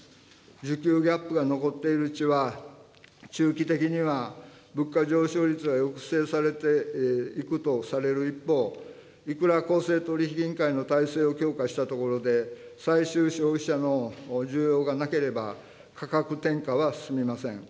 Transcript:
需給ギャップが残っているうちは、中期的には物価上昇率は抑制されていくとされる一方、いくら公正取引委員会の体制を強化したところで、最終消費者の需要がなければ、価格転嫁は進みません。